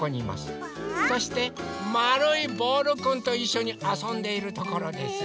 そしてまるいボールくんといっしょにあそんでいるところです。